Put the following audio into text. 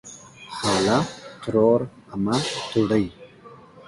خاله ترور امه توړۍ